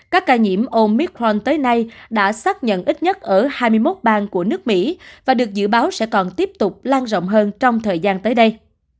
các ca nhiễm omit pront tới nay đã xác nhận ít nhất ở hai mươi một bang của nước mỹ và được dự báo sẽ còn tiếp tục lan rộng hơn trong thời gian tới đây